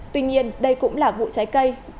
tuy nhiên đây cũng là vụ trái cây